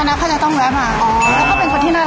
เขาเป็นคนที่น่ารักมาก